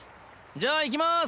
じゃあいきます。